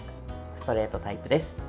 ストレートタイプです。